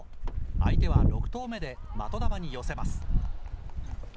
相手は６投目で、的玉に寄せます。